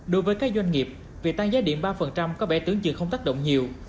đối với các doanh nghiệp việc tăng giá điện ba có vẻ tưởng chừng không tác động nhiều